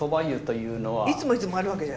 いつもいつもあるわけじゃ。